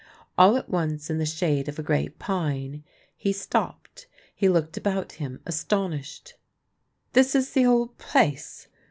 All at once, in the shade of a great pine, he stopped. He looked about him astonished. " This is the old place